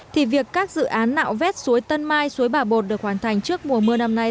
thì việc các dự án nạo vét suối tân mai suối bà bột được hoàn thành trước mùa mưa năm nay